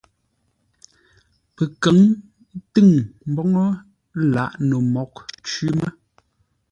Pəkə̌m tʉ̂ŋ mboŋə́ lǎʼ no mǒghʼ cwí mə́.